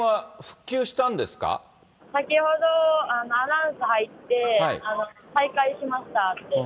先ほど、アナウンス入って、再開しましたって。